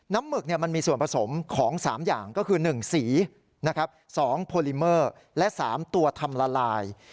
หมึกมันมีส่วนผสมของ๓อย่างก็คือ๑สี๒โพลิเมอร์และ๓ตัวทำละลาย